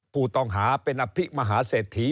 ผู้ต้องหาเป็นอภิมหาเศรษฐี